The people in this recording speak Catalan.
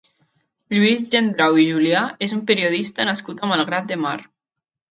Lluís Gendrau i Julià és un periodista nascut a Malgrat de Mar.